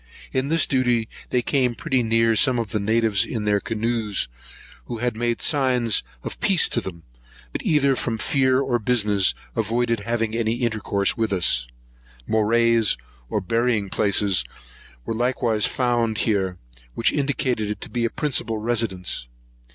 In this duty they came pretty near some of the natives in their canoes, who made signs of peace to them; but, either from fear or business, avoided having any intercourse with us. Morais, or burying places, were likewise found here, which indicated it to be a principal residence.